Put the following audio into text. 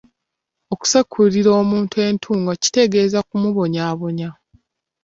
Okusekulira omuntu entungo kitegeeza kumubonyaabonya.